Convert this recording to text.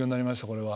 これは。